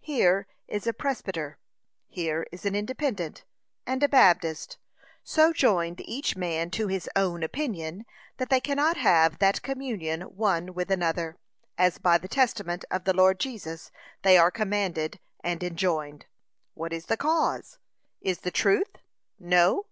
Here is a Presbyter, here is an Independent, and a Baptist, so joined each man to his own opinion, that they cannot have that communion one with another, as by the testament of the Lord Jesus they are commanded and enjoined. What is the cause? Is the truth? No?